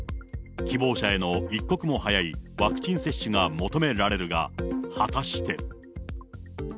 希望者への一刻も早いワクチン接種が求められるが、果たして。